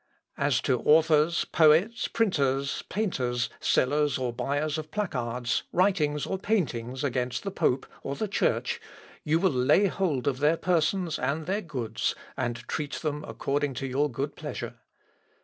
"As to authors, poets, printers, painters, sellers or buyers of placards, writings, or paintings, against the pope, or the Church, you will lay hold of their persons and their goods, and treat them according to your good pleasure.